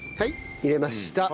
入れました。